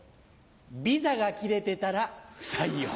ビザが切れてたら不採用。